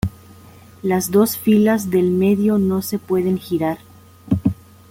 Las dos filas del medio no se pueden girar.